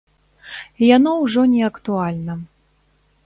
Яно ўжо не актуальна.